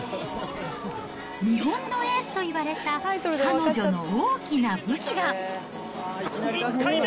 日本のエースといわれた彼女の大きな武器が。